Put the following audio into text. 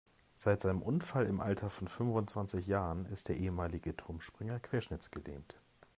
Seit seinem Unfall im Alter von fünfundzwanzig Jahren ist der ehemalige Turmspringer querschnittsgelähmt.